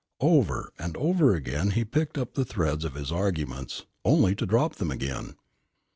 Over and over again he picked up the threads of his arguments, only to drop them again.